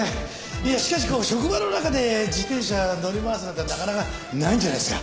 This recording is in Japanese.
いやしかしこう職場の中で自転車乗り回すなんてなかなかないんじゃないですか？